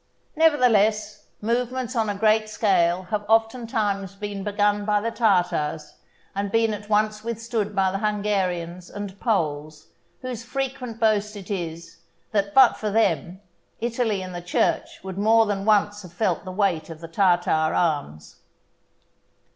Nevertheless, movements on a great scale have oftentimes been begun by the Tartars, and been at once withstood by the Hungarians and Poles, whose frequent boast it is, that but for them, Italy and the Church would more than once have felt the weight of the Tartar arms.